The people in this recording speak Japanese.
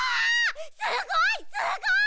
すごいすごい！